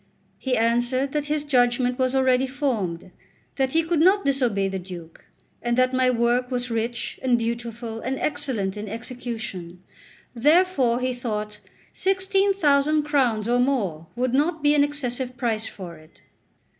He answered that his judgment was already formed, that he could not disobey the Duke, and that my work was rich and beautiful and excellent in execution; therefore he thought sixteen thousand crowns or more would not be an excessive price for it.